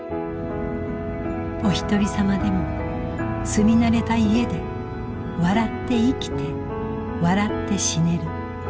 おひとりさまでも住み慣れた家で笑って生きて笑って死ねる。